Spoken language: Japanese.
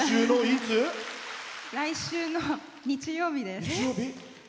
来週の日曜日です。